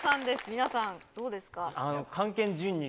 皆さんどうですか？